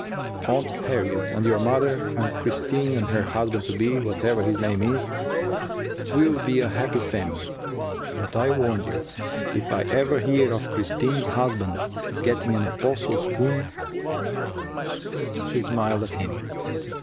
"Aunt Harriet and your mother and Christine and her husband to be, whatever his name is we'll be a happy family. But, I warn you, if I ever hear of Christine's husband getting an apostle spoon " She smiled up at him.